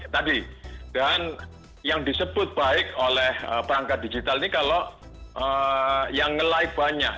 tadi dan yang disebut baik oleh perangkat digital ini kalau yang nge like banyak